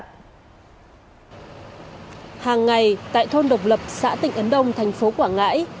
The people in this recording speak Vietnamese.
hàng ngày tại thôn độc lập xã tỉnh ấn đông thành phố quảng ngãi